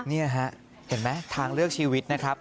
นี่ฮะเห็นไหมทางเลือกชีวิตนะครับ